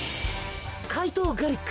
怪盗ガリック。